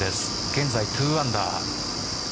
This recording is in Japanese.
現在２アンダー。